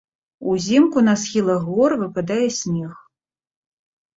Узімку на схілах гор выпадае снег.